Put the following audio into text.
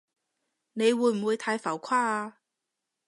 你會唔會太浮誇啊？